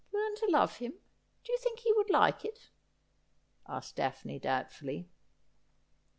' Learn to love him ! Do you think he would like it ?' asked Daphne doubtfully.